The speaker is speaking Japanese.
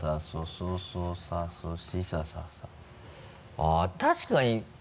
あっ確かに。